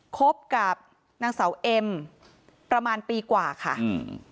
คบกับนางเสาเอ็มประมาณปีกว่าค่ะอืม